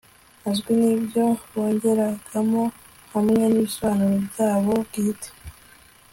agizwe n ibyo bongeragamo hamwe n ibisobanuro byabo bwite